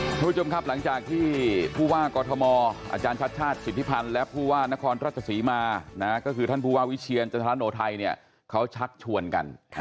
คุณผู้ชมครับหลังจากที่ผู้ว่ากอทมอาจารย์ชัดชาติสิทธิพันธ์และผู้ว่านครราชศรีมาก็คือท่านผู้ว่าวิเชียรจันทราโนไทยเนี่ยเขาชักชวนกัน